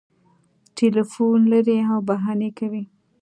ټلیفون لري او بهانې کوي